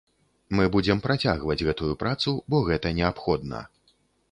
Мы будзем працягваць гэтую працу, бо гэта неабходна.